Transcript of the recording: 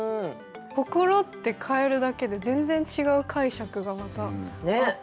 「心」って変えるだけで全然違う解釈がまたあって。